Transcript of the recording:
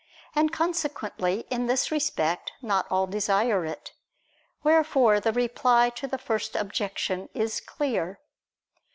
And consequently, in this respect, not all desire it. Wherefore the reply to the first Objection is clear.